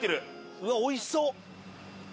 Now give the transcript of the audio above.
うわっおいしそう。